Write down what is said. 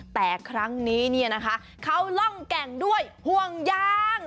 แต่ครั้งนี้เนี่ยนะคะเขาร่องแก่งด้วยห่วงยาง